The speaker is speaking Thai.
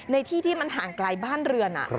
ในที่ที่มันห่างไกลบ้านเรือน